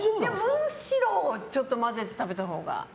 むしろちょっと混ぜて食べたほうが。